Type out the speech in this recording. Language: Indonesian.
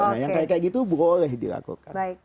nah yang kayak gitu boleh dilakukan